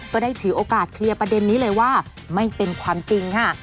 ก็ได้ถือโอกาสเคลียร์ประเด็นนี้เลยว่าไม่เป็นความจริงค่ะ